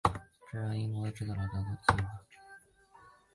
这让英国海军知道了德国的计划。